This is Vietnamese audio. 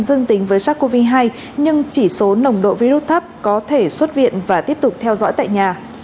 dương tính với sars cov hai nhưng chỉ số nồng độ virus thấp có thể xuất viện và tiếp tục theo dõi tại nhà